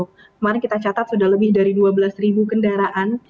kemarin kita catat sudah lebih dari dua belas kendaraan